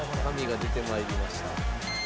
紙が出てまいりました。